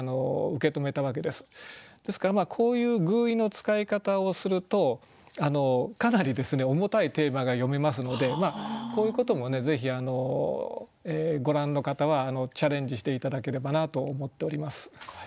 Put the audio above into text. ですからこういう寓意の使い方をするとかなり重たいテーマが詠めますのでこういうこともぜひご覧の方はチャレンジして頂ければなと思っております。